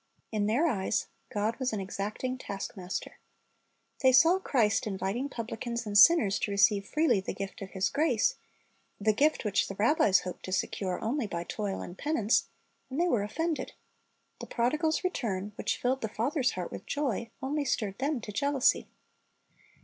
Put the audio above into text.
In their eyes, God was an exacting taskmaster. They saw Christ inviting publicans and sinners to receive freely the gift of His grace, — the gift which the rabbis hoped to secure only by toil and penance, — and they were offended. The prodigal's return, which filled the Father's heart with joy, only stirred them to jealousy.